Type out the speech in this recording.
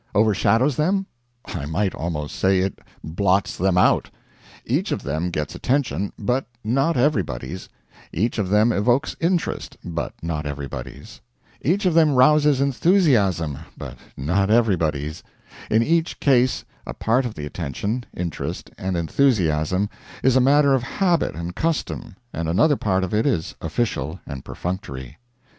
Overshadows them? I might almost say it blots them out. Each of them gets attention, but not everybody's; each of them evokes interest, but not everybody's; each of them rouses enthusiasm, but not everybody's; in each case a part of the attention, interest, and enthusiasm is a matter of habit and custom, and another part of it is official and perfunctory.